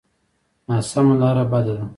ناسمه لاره بده ده.